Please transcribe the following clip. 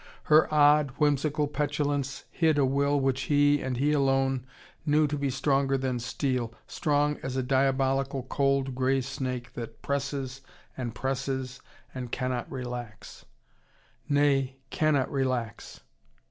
Her odd, whimsical petulance hid a will which he, and he alone, knew to be stronger than steel, strong as a diabolical, cold, grey snake that presses and presses and cannot relax: nay, cannot relax.